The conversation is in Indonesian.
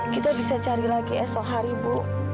kita bisa cari lagi esok hari bu